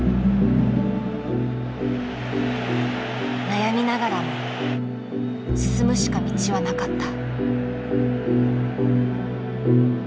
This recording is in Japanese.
悩みながらも進むしか道はなかった。